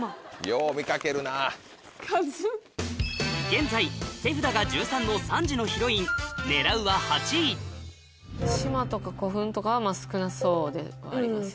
現在手札が１３の３時のヒロイン狙うは８位島とか古墳とかはまぁ少なそうではありますよね。